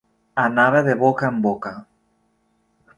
Anava de boca en boca.